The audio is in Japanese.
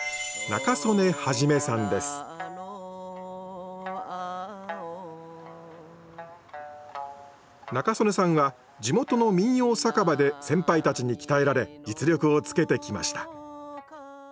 仲宗根さんは地元の民謡酒場で先輩たちに鍛えられ実力をつけてきました